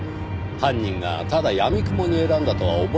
犯人がただやみくもに選んだとは思えないんですよ。